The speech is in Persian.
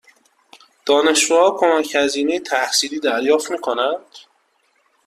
دانشجوها کمک هزینه تحصیلی دریافت می کنند؟